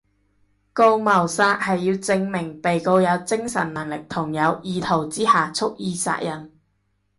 告謀殺係要證明被告有精神能力同有意圖之下蓄意殺人